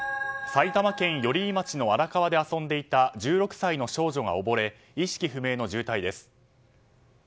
埼玉県寄居町の荒川で遊んでいた１６歳の少女が溺れ意識不明の重体です。